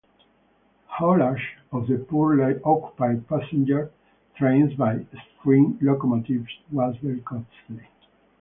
Haulage of the poorly occupied passenger trains by steam locomotives was very costly.